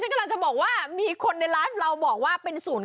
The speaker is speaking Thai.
ฉันกำลังจะบอกว่ามีคนในร้านเราบอกว่าเป็นศูนย์๙๒